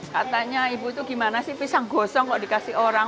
katanya ibu itu gimana sih pisang gosong kok dikasih orang